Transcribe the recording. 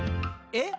「え？